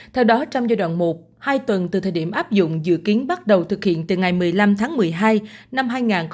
theo đó trong giai đoạn một hai tuần từ thời điểm áp dụng dự kiến bắt đầu thực hiện từ ngày một mươi năm tháng một mươi hai năm hai nghìn hai mươi